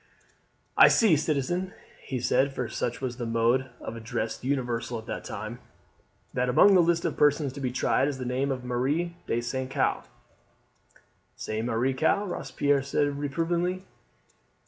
"I see, citizen," he said for such was the mode of address universal at that time "that among the list of persons to be tried is the name of Marie de St. Caux." "Say Marie Caux," Robespierre said reprovingly.